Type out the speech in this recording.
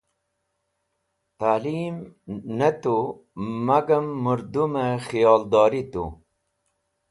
Talim ne tu magam mẽrdũmẽ kheyodori tu.